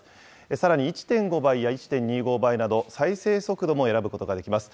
さらに１．５倍や１．２５倍など、再生速度も選ぶことができます。